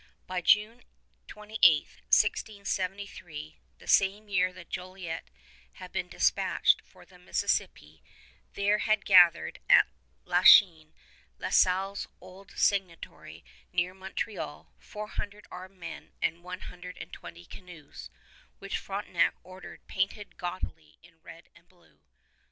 By June 28, 1673, the same year that Jolliet had been dispatched for the Mississippi, there had gathered at La Chine, La Salle's old seigniory near Montreal, four hundred armed men and one hundred and twenty canoes, which Frontenac ordered painted gaudily in red and blue.